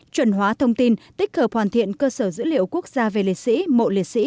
chuẩn hóa thông tin tích hợp hoàn thiện cơ sở dữ liệu quốc gia về liệt sĩ mộ liệt sĩ